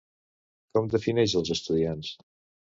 Com defineix els estudiants?